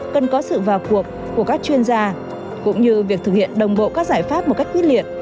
cần có sự vào cuộc của các chuyên gia cũng như việc thực hiện đồng bộ các giải pháp một cách quyết liệt